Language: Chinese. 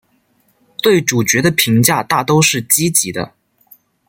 对主角的评价大都是积极的。